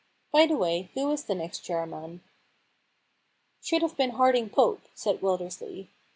By the way, who is the next chair man ?'* Should have been Harding Pope/ said Wildersley.